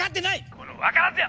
この分からず屋！